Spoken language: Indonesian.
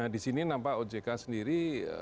di sini nampak ojk sendiri